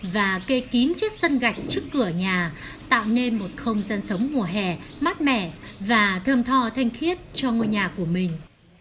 và cây kín chiếc sân gạch trước cửa nhà tạo nên một không gian sống mùa hè mát mẻ và thơm thò thanh khiết cho ngôi nhà của mình